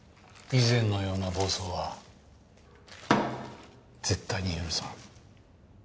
以前のような暴走は絶対に許さん。